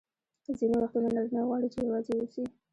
ځیني وختونه نارینه غواړي چي یوازي واوسي.